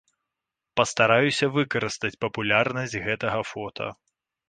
Пастараюся выкарыстаць папулярнасць гэтага фота.